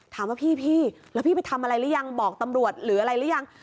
ถามว่าพี่แล้วพี่ไปทำอะไรหรือยังบอกตำรวจหรืออะไรหรือยัง